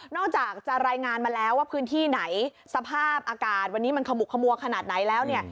อกจากจะรายงานมาแล้วว่าพื้นที่ไหนสภาพอากาศวันนี้มันขมุกขมัวขนาดไหนแล้วเนี่ย